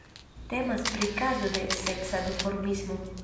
Temas pri kazo de seksa duformismo.